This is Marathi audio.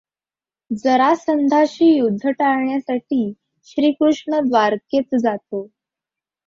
जरासंधाशी युध्द टाळण्यासाठी श्रीकृष्ण द्वारकेत जातो.